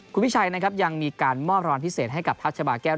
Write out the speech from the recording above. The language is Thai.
คุณวิชัยนะครับยังมีการมอบรางวัลพิเศษให้กับทัพชาบาแก้ว